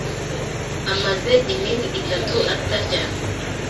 amaze iminsi itatu atarya.